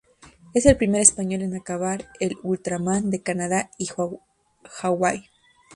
Es el primer español en acabar el Ultraman de Canadá y Hawái.